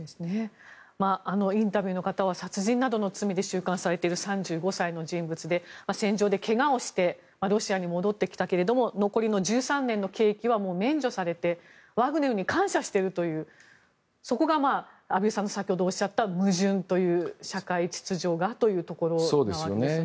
あのインタビューの方は殺人などの罪で収監されている３５歳の人物で戦場でけがをしてロシアに戻ってきたけれども残りの１３年の刑期はもう免除されてワグネルに感謝しているというそこが畔蒜さんが先ほどおっしゃった矛盾という社会秩序がというところなわけですね。